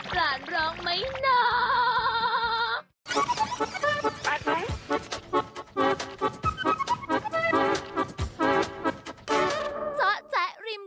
หลานร้องไหมน้า